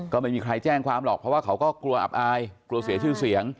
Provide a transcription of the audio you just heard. ก็ไม่มีใครแจ้งความหรอกเพราะว่าเขาก็กลัวอับอายกลัวเสียชื่อเสียง